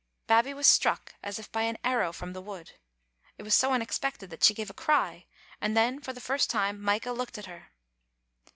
Babbie was struck as if by an arrow from the wood. It was so unexpected that she gave a cry, and then for the first time Micah looked at her.